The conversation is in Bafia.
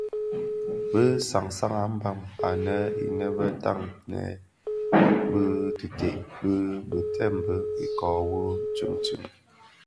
Bi sans an a mbam anèn innë bè tatnèn bi teted bi bitimbè ikoo wu tsuňtsuň.